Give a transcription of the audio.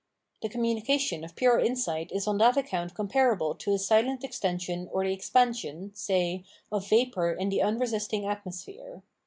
The communication of pure insight is on that account comparable to a silent extension or the expan sion, say, of vapour in the unresisting atmosphere.